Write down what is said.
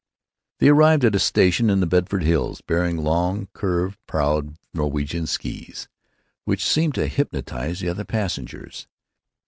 They arrived at a station in the Bedford Hills, bearing long, carved prowed Norwegian skees, which seemed to hypnotize the other passengers.